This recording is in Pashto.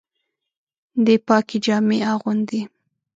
دی پاکي جامې اغوندي.